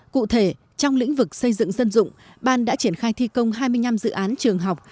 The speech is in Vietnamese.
cụ thể trong lĩnh vực xây dựng dân dụng ban đã triển khai thi công hai mươi năm dự án trường học